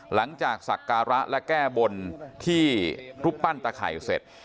หลังจากศักระและแก้บนที่รุปปั้นตะไข่เสร็จ